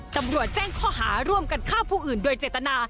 ตำรวจแจ้งข้อหาร่วมกันฆ่าผู้อื่นโดยเจตนา